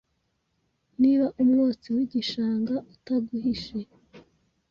Niba umwotsi w'igishanga utaguhishe